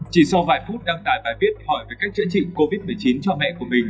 chỉ sau vài phút đăng tải bài viết hỏi về cách chữa trị covid một mươi chín cho mẹ của mình